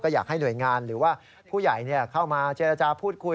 อยากให้หน่วยงานหรือว่าผู้ใหญ่เข้ามาเจรจาพูดคุย